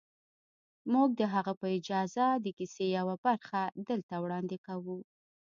موږ د هغه په اجازه د کیسې یوه برخه دلته وړاندې کوو